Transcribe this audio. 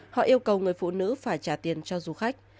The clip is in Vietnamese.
họ yêu cầu người phụ nữ phải trả tiền cho du khách